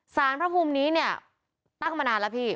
สารพระภูมินี้เนี่ยตั้งมานานแล้วพี่